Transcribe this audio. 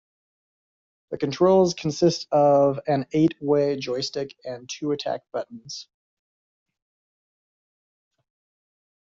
The controls consists of an eight way joystick and two attack buttons.